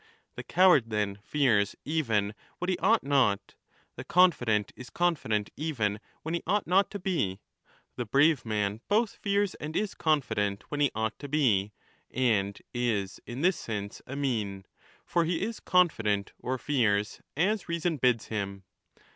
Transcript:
The coward, then, fears even what he ought not, the con 5 fident is confident even when he ought not to be ; the brave man both fears and is confident when he ought to be, and is in this sense a mean, for he is confident or fears as reason bids him.